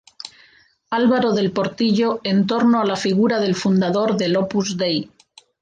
Álvaro del Portillo en torno a la figura del fundador del Opus Dei.